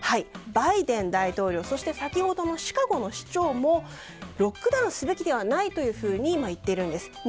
バイデン大統領、そして先ほどのシカゴの市長もロックダウンすべきではないと言っているんです。